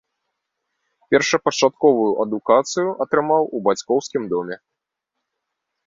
Першапачатковую адукацыю атрымаў у бацькоўскім доме.